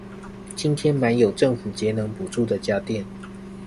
今天買有政府節能補助的家電